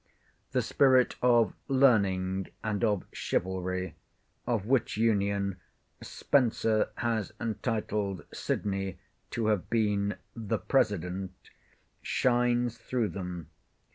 The spirit of "learning and of chivalry,"—of which union, Spenser has entitled Sydney to have been the "president,"—shines through them.